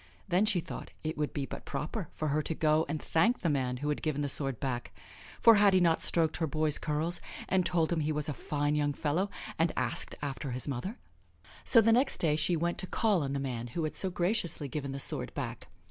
Then she thought it would be but proper for her to go and thank the man who had given the sword back; for had he not stroked her boy's curls and told him he was a fine young fellow, and asked after his mother! So the next day she went to call on the man who had so graciously given the sword back.